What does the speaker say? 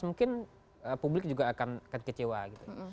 mungkin publik juga akan kecewa gitu